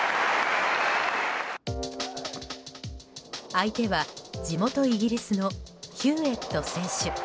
相手は地元イギリスのヒューエット選手。